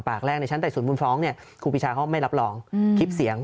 ปากแรกในชั้นไต่สวนมูลฟ้องเนี่ยครูปีชาเขาไม่รับรองคลิปเสียง